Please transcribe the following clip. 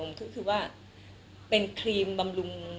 ซึ่งว่าเป็นครีมบำรุง